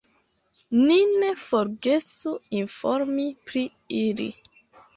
Ni ne forgesu informi pri ili!